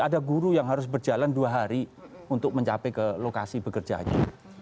ada guru yang harus berjalan dua hari untuk mencapai ke lokasi bekerjanya